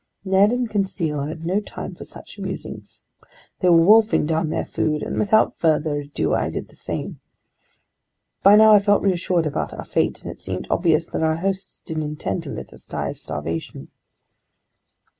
Ned and Conseil had no time for such musings. They were wolfing down their food, and without further ado I did the same. By now I felt reassured about our fate, and it seemed obvious that our hosts didn't intend to let us die of starvation.